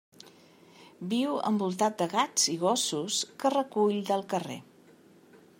Viu envoltat de gats i gossos que recull del carrer.